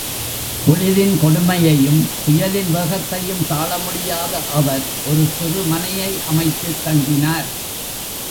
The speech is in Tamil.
குளிரின் கொடுமையையும், புயலின் வேகத்தையும் தாள முடியாத அவர் ஒரு சிறு மனையை அமைத்துத் தங்கினார்.